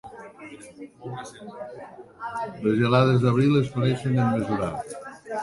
Les gelades d'abril es coneixen en mesurar.